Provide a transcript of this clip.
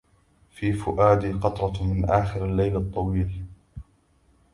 في فؤادي, قطرةً من آخر الليل الطويل